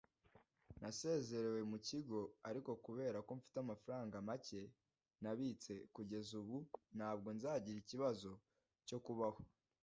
Nasezerewe mu kigo, ariko kubera ko mfite amafaranga make nabitse, kugeza ubu, ntabwo nzagira ikibazo cyo kubaho.